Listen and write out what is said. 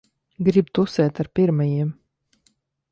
Grib tusēt ar pirmajiem.